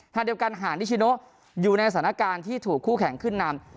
ทางเดียวกันหานิชิโนอยู่ในสถานการณ์ที่ถูกคู่แข่งขึ้นนำ